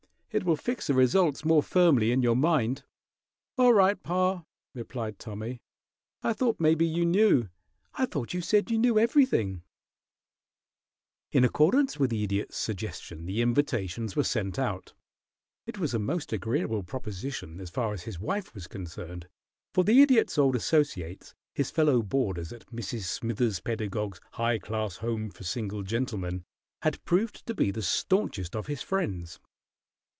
It will fix the results more firmly in your mind." "All right, pa," replied Tommy; "I thought maybe you knew. I thought you said you knew everything." [Illustration: "POSSESSED A LIBRARY OF FIRST EDITIONS"] In accordance with the Idiot's suggestion the invitations were sent out. It was a most agreeable proposition as far as his wife was concerned, for the Idiot's old associates, his fellow boarders at Mrs. Smithers Pedagog's "High Class Home for Single Gentlemen," had proved to be the stanchest of his friends.